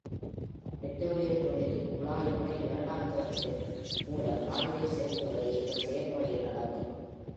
பெட்ரோலியத் தொழிலில், குழாய்-உறை வருடாந்திரத்தின் மூலம் வாயுவை செலுத்துவதே இந்த செயல்முறையில் அடங்கும்.